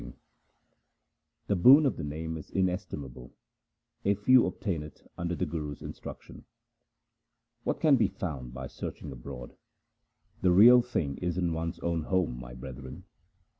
II O 194 THE SIKH RELIGION The boon of the Name is inestimable ; a few obtain it under the Guru's instruction. What can be found by searching abroad ? the Real Thing is in one's own home, my brethren.